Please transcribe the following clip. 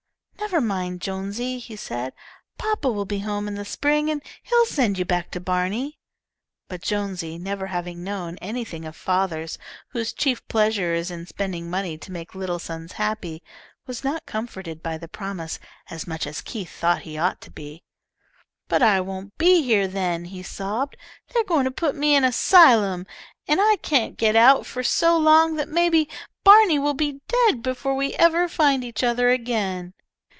"Never mind, Jonesy," he said, "papa will be home in the spring and he'll send you back to Barney." But Jonesy never having known anything of fathers whose chief pleasure is in spending money to make little sons happy, was not comforted by that promise as much as Keith thought he ought to be. "But I won't be here then," he sobbed. "They're goin' to put me in a 'sylum, and I can't get out for so long that maybe Barney will be dead before we ever find each other again."